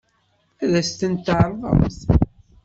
Ad as-ten-tɛeṛḍemt?